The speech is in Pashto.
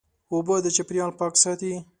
اوبه د چاپېریال پاک ساتي.